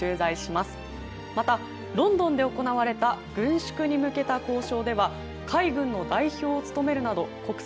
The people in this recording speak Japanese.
またロンドンで行われた軍縮に向けた交渉では海軍の代表を務めるなど国際的な一面もありました。